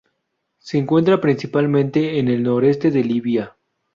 Se encuentra principalmente en el noreste de Libia.